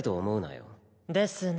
ですね。